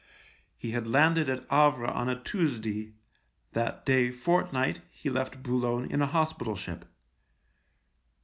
He had landed at Havre on a Tuesday ; that day fortnight he left Boulogne in a hospital ship.